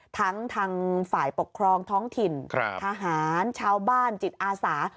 ทั้งทางฝ่ายปกครองท้องถิ่นทหารชาวบ้านจิตอาสา